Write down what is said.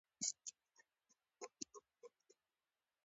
کور تباه سوی د حبیبیانو